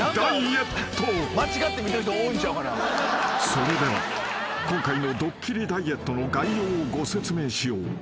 ［それでは今回のドッキリダイエットの概要をご説明しよう］